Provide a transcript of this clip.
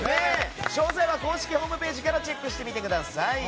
詳細は公式ホームページからチェックしてみてください。